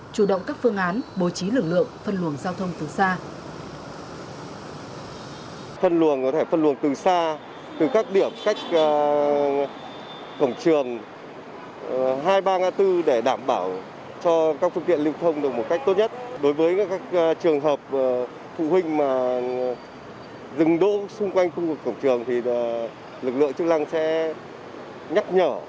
chủ động các phương án bồi trí lực lượng phân luồng giao thông từ xa